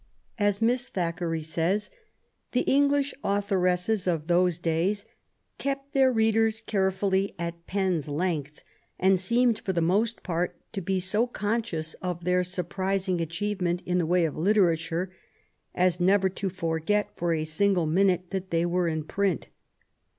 As Miss Thackeray says, the English authoresses of those days " kept their readers carefully at pen's length, and seemed for the most part to be so conscious of their surprising achievement in the way of literature, as never to forget for a single minute that they were in print."